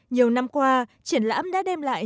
nhiều năm qua triển lãm đã đem lại